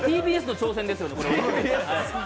ＴＢＳの挑戦ですよね、これね。